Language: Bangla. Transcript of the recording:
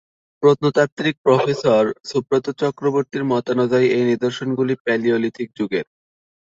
প্রত্নতাত্ত্বিক প্রফেসর সুব্রত চক্রবর্তীর মতানুযায়ী এই নিদর্শন গুলি প্যালিওলিথিক যুগের।